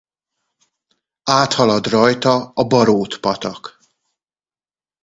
Áthalad rajta a Barót-patak.